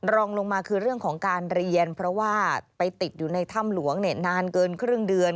รองลงมาคือเรื่องของการเรียนเพราะว่าไปติดอยู่ในถ้ำหลวงนานเกินครึ่งเดือน